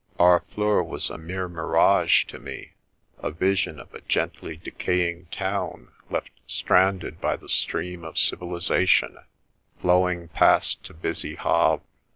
Harfleur was a mere mirage to me, a vision of a gently decaying town left stranded by the stream of civilisation, flowing past to busy Havre.